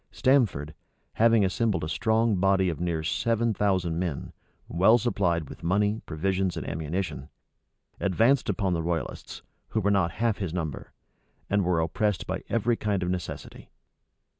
Stamford, having assembled a strong body of near seven thousand men, well supplied with money, provisions, and ammunition, advanced upon the royalists, who were not half his number, and were oppressed by every kind of necessity.